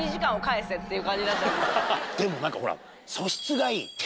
でも何かほら。